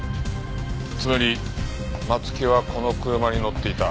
つまり松木はこの車に乗っていた。